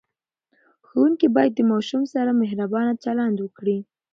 ښوونکي باید د ماشوم سره مهربانه چلند وکړي.